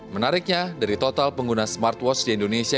menariknya dari total pengguna smartwatch di indonesia